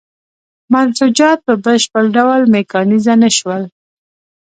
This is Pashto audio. منسوجات په بشپړ ډول میکانیزه نه شول.